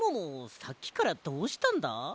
さっきからどうしたんだ？